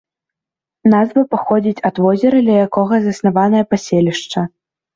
Назва паходзіць ад возера, ля якога заснаванае паселішча.